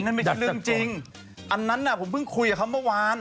นั่นไม่ใช่เรื่องจริงอันนั้นน่ะผมเพิ่งคุยกับเขาเมื่อวาน